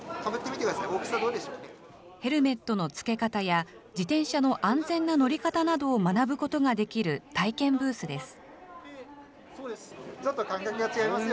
ヘルメットの着け方や、自転車の安全な乗り方などを学ぶことができる体験ブースです。